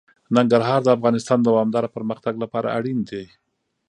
ننګرهار د افغانستان د دوامداره پرمختګ لپاره اړین دي.